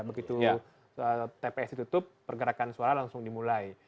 begitu tps ditutup pergerakan suara langsung dimulai